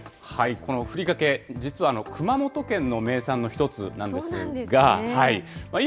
このふりかけ、実は、熊本県の名産の一つなんですよ。